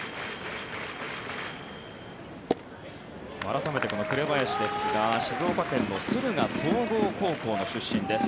改めて紅林ですが静岡県の駿河総合高校の出身です。